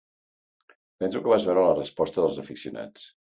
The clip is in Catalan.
Penso que vas veure la resposta dels aficionats.